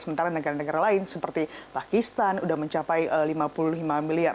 sementara negara negara lain seperti pakistan sudah mencapai lima puluh lima miliar